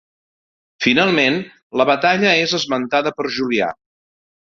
Finalment la batalla és esmentada per Julià.